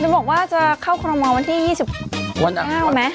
เนี่ยบอกว่าจะเข้าคณะมองวันที่๒๕ไหม